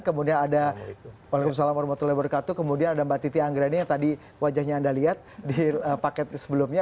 kemudian ada mbak titi anggrani yang tadi wajahnya anda lihat di paket sebelumnya